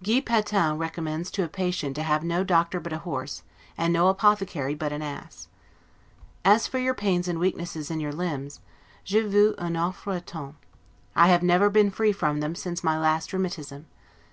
Guy Patin recommends to a patient to have no doctor but a horse, and no apothecary but an ass. As for your pains and weakness in your limbs, 'je vous en offre autant'; I have never been free from them since my last rheumatism.